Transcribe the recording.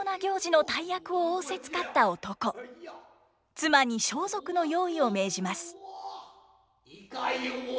妻に装束の用意を命じます。